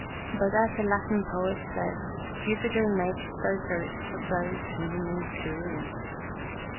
But as a Latin poet says, "Jupiter makes dotards of those whom he means to ruin."